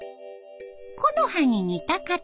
木の葉に似た形。